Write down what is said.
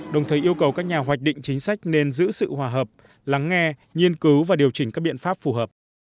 đồng thời yêu cầu các nhà hoạch định chính sách nên giữ sự hòa hợp lắng nghe nghiên cứu và điều chỉnh các biện pháp phù hợp